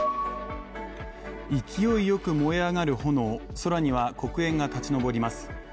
勢い良く燃え上がる炎、さらには黒煙が立ち上ります。